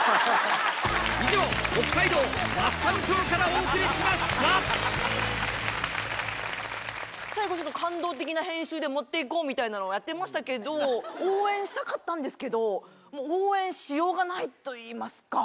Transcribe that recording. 以上、北海道和寒町からお送最後ちょっと、感動的な編集で持っていこうみたいなのをやってましたけど、応援したかったんですけど、もう、応援しようがないといいますか。